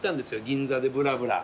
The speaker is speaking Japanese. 銀座でブラブラ。